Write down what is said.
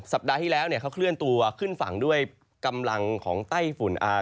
สัปดาห์ที่แล้วเขาเคลื่อนตัวขึ้นฝังด้วยกำลังของใต้ฝึ่นอ้าว